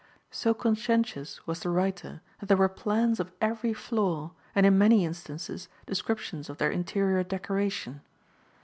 So conscientious was the writer that there were plans of every floor and in many instances descriptions of their interior decoration.